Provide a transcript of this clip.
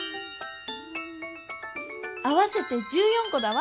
合わせて１４コだわ！